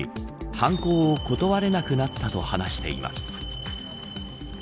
犯行を断れなくなったと話しています。